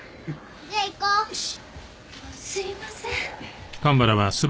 すいません。